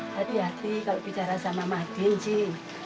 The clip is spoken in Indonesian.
hati hati kalau bicara sama madin sih